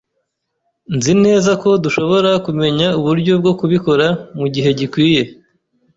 Nzi neza ko dushobora kumenya uburyo bwo kubikora mugihe gikwiye.